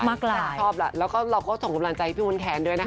มากแล้วชอบแล้วแล้วก็เราก็ส่งกำลังใจให้พี่มนต์แคนด้วยนะคะ